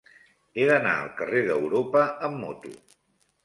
He d'anar al carrer d'Europa amb moto.